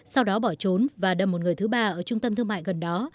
sau đó bỏ trốn và đâm một người thứ ba ở trung tâm thương mại gần đó